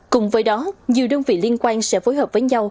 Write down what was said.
cùng với đó nhiều đơn vị liên quan sẽ phối hợp với nhau